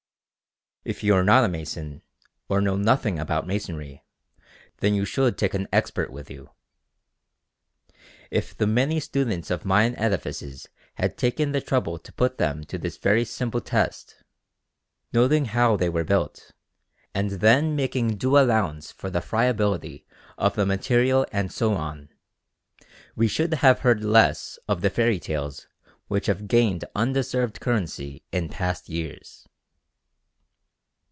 If you are not a mason, or know nothing about masonry, then you should take an expert with you. If the many students of Mayan edifices had taken the trouble to put them to this very simple test, noting how they were built, and then making due allowance for the friability of the material and so on, we should have heard less of the fairy tales which have gained undeserved currency in past years.